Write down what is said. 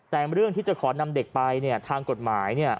แต่เรื่องที่จะขอนำเด็กไปทางกฎหมาย